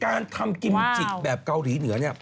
การทำกิมจิกแบบเกาหลีเหนือเนี่ย